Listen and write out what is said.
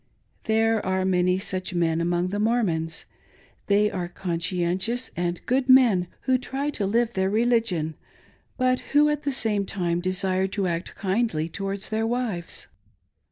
There are many such men among the Mormons. They are conscien tious and good men, who try to live their religion, but who at the same time desire to act kindly towards their wives.